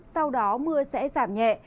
sau đó mưa sẽ giảm nhẹ